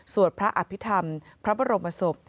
สวดพระอภิษฐรรมพระบรมศพ